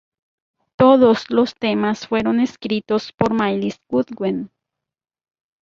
Todos los temas fueron escritos por Myles Goodwyn, excepto donde se indica.